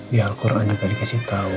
biar alquran juga dikasih tahu